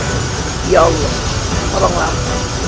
ya allah tolonglah selamatkanlah penyuruh desa ini